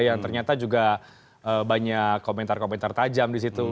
yang ternyata juga banyak komentar komentar tajam di situ